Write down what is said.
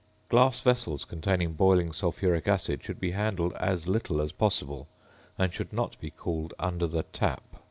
Glass vessels containing boiling sulphuric acid should be handled as little as possible, and should not be cooled under the tap.